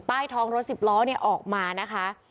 ใต้ท้องรถสิบล้อเนี่ยออกมานะคะ